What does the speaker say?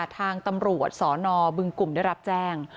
ทางตำรวจสนบึงกลุ่มได้รับแจ้ง